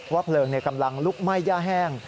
เพลิงกำลังลุกไหม้ย่าแห้ง